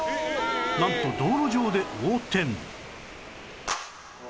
なんと道路上で横転